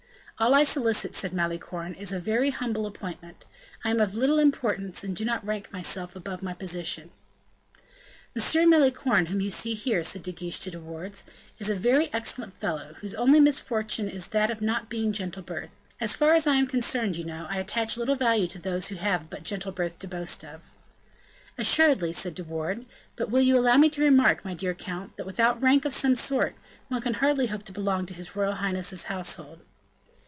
"All I solicit," said Malicorne, "is a very humble appointment; I am of little importance, and I do not rank myself above my position." "M. Malicorne, whom you see here," said De Guiche to De Wardes, "is a very excellent fellow, whose only misfortune is that of not being of gentle birth. As far as I am concerned, you know, I attach little value to those who have but gentle birth to boast of." "Assuredly," said De Wardes; "but will you allow me to remark, my dear count, that, without rank of some sort, one can hardly hope to belong to his royal highness's household?"